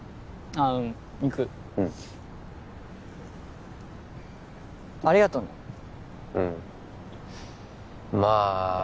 ああうん行くうんありがとうねうんまあ